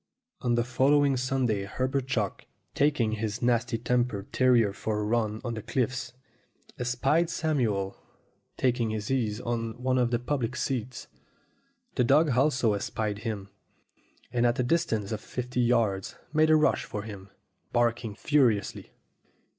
On the following Sunday Herbert Chalk, taking his nasty tempered terrier for a run on the cliffs, espied Samuel taking his ease on one of the public seats. The dog also espied him, and at a distance of fifty yards made a rush for him, barking furiously.